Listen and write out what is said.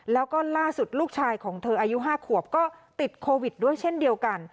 แล้วก็ล่าสุดลูกชายของเธออายุ๕ขวบก็ติดโควิดด้วยเช่นเดียวกัน